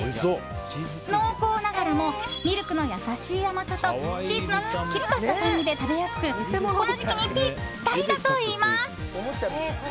濃厚ながらもミルクの優しい甘さとチーズのすっきりとした酸味で食べやすくこの時期にぴったりだといいます。